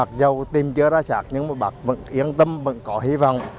chưa ra sạc nhưng mà bác vẫn yên tâm vẫn có hy vọng